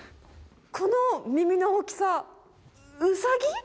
この耳の大きさ、うさぎ？